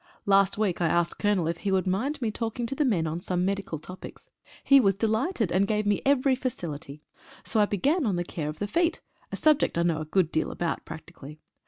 Last week I asked the Colonel if he would mind me talking to the men on some medical topics. He was delighted, and gave me every facility. So I began on the care of the feet, a subject I know a good deal about practically.